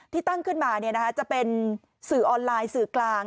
ที่ตั้งขึ้นมาจะเป็นสื่อออนไลน์สื่อกลาง